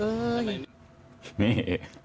มีมนุษยสัมพันธ์ที่ดีกับประชาชนทุกคน